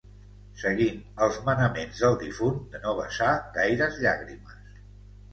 Seguint els manaments del difunt de no vessar gaires llàgrimes